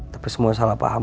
tapi semua salah paham